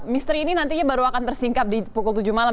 misteri ini nantinya baru akan tersingkap di pukul tujuh malam